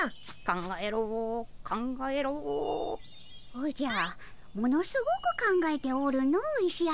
おじゃものすごく考えておるの石頭。